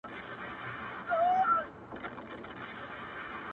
• نن خو يې بيادخپل زړگي پر پاڼــه دا ولـيكل،